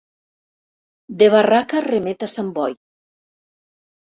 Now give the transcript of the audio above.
De barraca remet a Sant Boi.